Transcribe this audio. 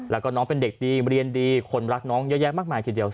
แล้วก็น้องเป็นเด็กดีเรียนดีคนรักน้องเยอะแยะมากมายทีเดียว